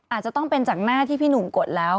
อาจจะต้องเป็นจากหน้าที่พี่หนุ่มกดแล้ว